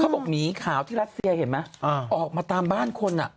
บอกหมีขาวที่รัสเซียเห็นไหมออกมาตามบ้านคนอ่ะ